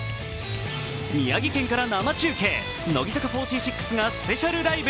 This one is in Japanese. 宮城県から生中継、乃木坂４６がスペシャルライブ。